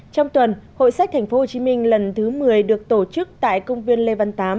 trong tuần hội sách tp hcm lần thứ một mươi được tổ chức tại công viên lê văn tám